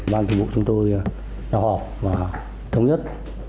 ban chủ bộ chúng tôi đã họp và thống nhất